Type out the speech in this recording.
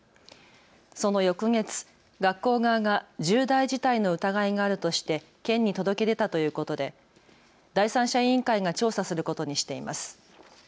その翌月、学校側が重大事態の疑いがあるとして県に届け出たということで第三者委員会が調査することにしています。